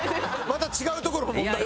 また違うところの問題？